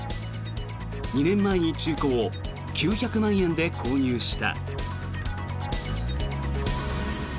２年前に中古を９００万円で購入した。